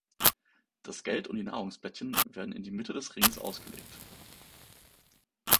Das Geld und die Nahrungsplättchen werden in die Mitte des Rings ausgelegt.